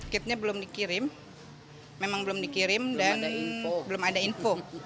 kitnya belum dikirim memang belum dikirim dan belum ada info